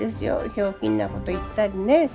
ひょうきんなこと言ったりね。